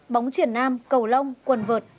bóng chuyển nam cầu lông quần vợt